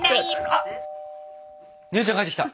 あっ姉ちゃん帰ってきた。